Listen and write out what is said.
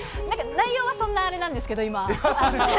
なんか内容はそんなあれなんですけど、今。